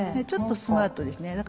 ちょっとスマートですね。